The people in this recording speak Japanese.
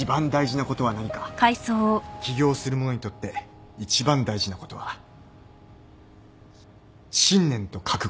起業する者にとって一番大事なことは信念と覚悟